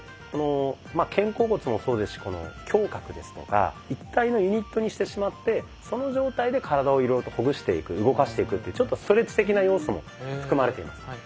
この肩甲骨もそうですし胸郭ですとか一体のユニットにしてしまってその状態で体をいろいろとほぐしていく動かしていくっていうちょっとストレッチ的な要素も含まれています。